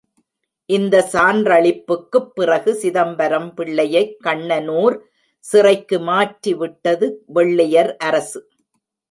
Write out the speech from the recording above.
இந்த சான்றளிப்புக்குப் பிறகு சிதம்பரம் பிள்ளையைக் கண்ணனூர் சிறைக்கு மாற்றிவிட்டது வெள்ளையர் அரசு.